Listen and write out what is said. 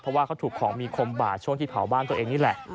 เพราะว่าเขาถูกของมีคมบาดช่วงที่เผาบ้านตัวเองนี่แหละ